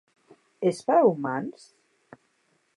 És per a humans?